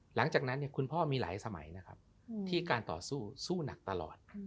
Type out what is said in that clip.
หลังจากนั้นคุณพ่อมีหลายสมัยนะครับที่การต่อสู้สู้หนักตลอด